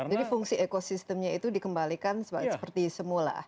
jadi fungsi ekosistemnya itu dikembalikan seperti semula